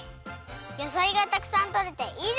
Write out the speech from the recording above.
やさいがたくさんとれていいですね！